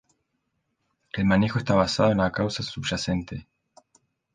El manejo está basado en la causa subyacente.